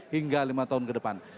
hingga lima tahun ke depan